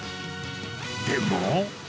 でも。